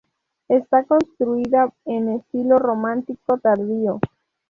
Está construida en estilo románico tardío.